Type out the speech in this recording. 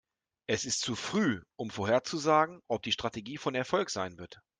Es ist zu früh, um vorherzusagen, ob die Strategie von Erfolg sein wird.